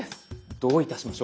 どういたしましょう？